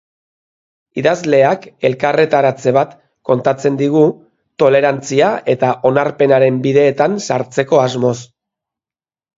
Idazleak elkarretaratze bat kontatzen digu, tolerantzia eta onarpenaren bideetan sartzeko asmoz.